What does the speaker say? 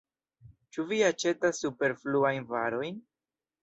Ĉu vi aĉetas superfluajn varojn?